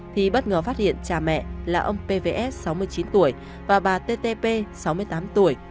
thì bất ngờ phát hiện cha mẹ là ông pvs sáu mươi chín tuổi và bà ttp sáu mươi tám tuổi